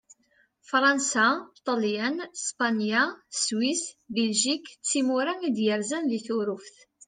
Fṛansa, Ṭelyan, Spanya, Swis, Biljik d timura i d-yerzan di Turuft.